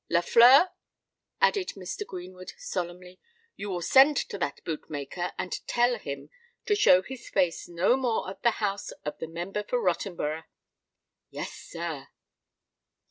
Lafleur," added Mr. Greenwood, solemnly, "you will send to that boot maker, and tell him to show his face no more at the house of the Member for Rottenborough." "Yes, sir."